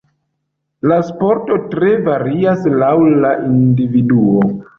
La sperto tre varias laŭ la individuo.